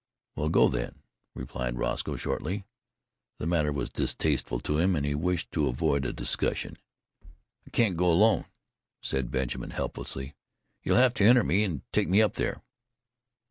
"Well, go, then," replied Roscoe shortly. The matter was distasteful to him, and he wished to avoid a discussion. "I can't go alone," said Benjamin helplessly. "You'll have to enter me and take me up there."